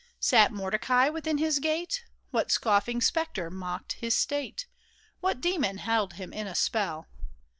Sat Mordecai within his gate ? What scoffing spectre mocked his state ? What demon held him in a spell